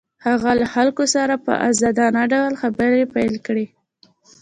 هغه له خلکو سره په ازادانه ډول خبرې پيل کړې.